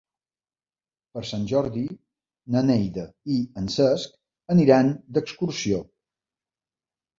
Per Sant Jordi na Neida i en Cesc aniran d'excursió.